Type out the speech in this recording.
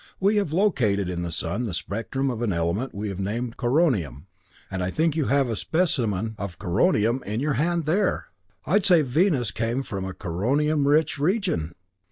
We have located in the sun the spectrum of an element we have named coronium and I think you have a specimen of coronium in your hand there! I'd say Venus came from a coronium rich region!"